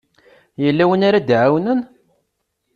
Yella win ara d-iɛawnen?